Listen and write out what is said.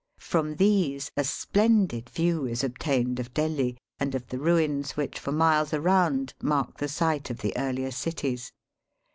From these a splendid view is obtained of Delhi and of the ruins which for miles around mark the site of the earlier cities.